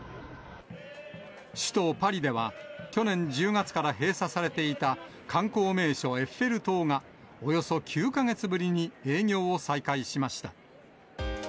首都パリでは、去年１０月から閉鎖されていた観光名所、エッフェル塔が、およそ９か月ぶりに営業を再開しました。